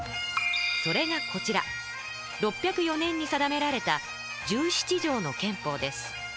それがこちら６０４年に定められた「十七条の憲法」です。